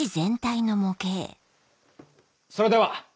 それでは！